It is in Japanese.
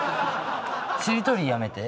しりとりやめて。